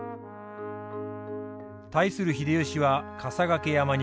対する秀吉は笠懸山に築城。